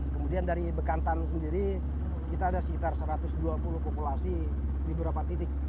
kemudian dari bekantan sendiri kita ada sekitar satu ratus dua puluh populasi di beberapa titik